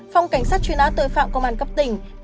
phòng cảnh sát trùy ná tội phạm công an cấp tỉnh